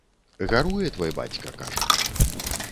Гаруе твой бацька, кажа.